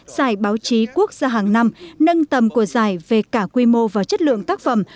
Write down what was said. giải báo chí quốc gia hàng năm nâng tầm của giải về cả quy mô và chất lượng tác phẩm